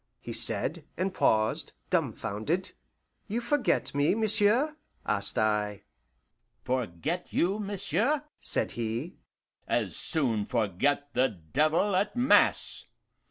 he said, and paused, dumfounded. "You forget me, monsieur?" asked I. "Forget you, monsieur?" said he. "As soon forget the devil at mass!